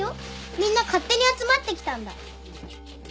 みんな勝手に集まってきたんだ。